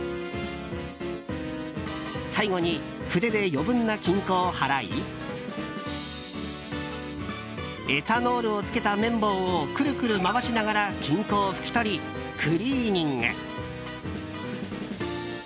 最後に、筆で余分な金粉を払いエタノールをつけた綿棒をくるくる回しながら金粉を拭き取りクリーニング。